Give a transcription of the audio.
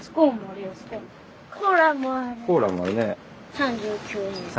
３９円。